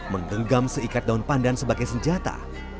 menggenggam seikat daun pandan sebagai senjata